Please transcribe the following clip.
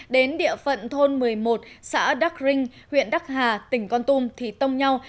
đến địa phận thôn một mươi một xã đắc rinh huyện đắc hà tỉnh con tum thì tông nhau